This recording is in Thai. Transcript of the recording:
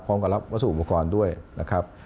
พร้อมกับรับวัสดุอุปกรณ์ด้วยนะครับ